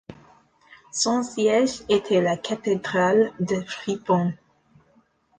Son siège était la cathédrale de Ripon.